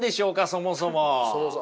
そもそも。